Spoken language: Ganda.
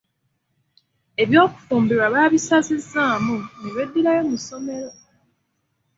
Eby'okufumbirwa baabisazamu ne beddirayo mu ssomero.